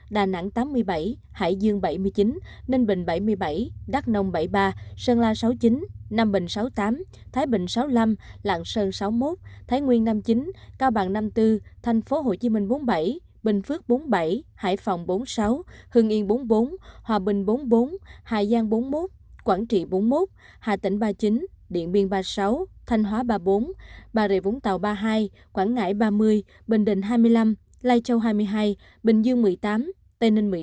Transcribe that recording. đà nẵng tám mươi bảy hải dương bảy mươi chín ninh bình bảy mươi bảy đắk nông bảy mươi ba sơn la sáu mươi chín nam bình sáu mươi tám thái bình sáu mươi năm lạng sơn sáu mươi một thái nguyên năm mươi chín cao bằng năm mươi bốn thành phố hồ chí minh bốn mươi bảy bình phước bốn mươi bảy hải phòng bốn mươi sáu hương yên bốn mươi bốn hòa bình bốn mươi bốn hải giang bốn mươi một quảng trị bốn mươi một hà tỉnh ba mươi chín điện biên ba mươi sáu thanh hóa ba mươi bốn bà rịa vũng tàu ba mươi hai quảng ngãi ba mươi bình định hai mươi năm lai châu hai mươi hai bình dương một mươi tám hải dương hai mươi hai hải phòng bốn mươi sáu hải phòng bốn mươi sáu hương yên bốn mươi bốn hòa bình bốn mươi bốn hải phòng bốn mươi sáu hải phòng bốn mươi sáu hải phòng bốn mươi sáu hải